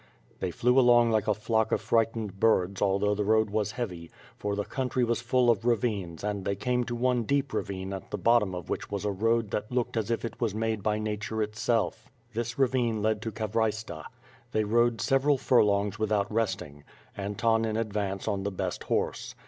They flew along like a flock of frightened birds although the road was heavy, for the country was full of ravines and they came to one deep ravine at the bottom of which was a road that looked as if it was made by nature 276 ^^^'^ FIRE AND SWOHD. itself, This ravine lead to Kavraytsa, They rode several furlongs without resting, Anton in advance on the best horse.